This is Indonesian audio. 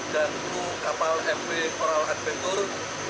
dan kru kapal mp oral adventure